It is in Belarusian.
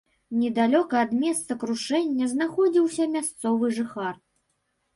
Недалёка ад месца крушэння знаходзіўся мясцовы жыхар.